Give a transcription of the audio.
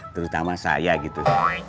terutama saya gitu